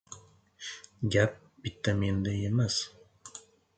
— Gap bitta menda emas.